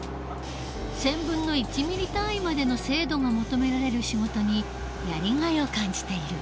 １０００分の１ミリ単位までの精度が求められる仕事にやりがいを感じている。